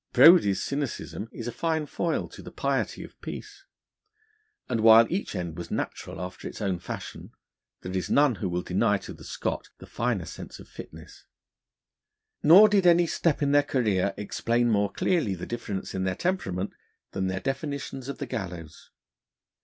Brodie's cynicism is a fine foil to the piety of Peace; and while each end was natural after its own fashion, there is none who will deny to the Scot the finer sense of fitness. Nor did any step in their career explain more clearly the difference in their temperament than their definitions of the gallows.